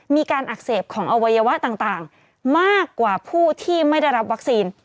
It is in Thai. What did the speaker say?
มีการอักเสบของอวัยวะต่างมากกว่าผู้ที่ไม่ได้รับวัคซีน